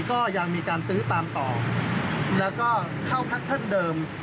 ก็ยังมีการตื้อตามต่อแล้วก็เข้าพัฒนเดิม